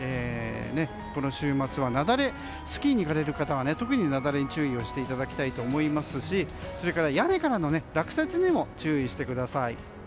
この週末はスキーに行かれる方は特に雪崩に注意をしていただきたいと思いますしそれから屋根からの落雪にも注意してください。